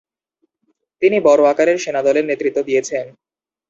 তিনি বড় আকারের সেনাদলের নেতৃত্ব দিয়েছেন।